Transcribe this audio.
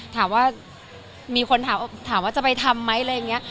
ถามว่ามีคนถามว่าจะไปทำไหมอะไรอย่างนี้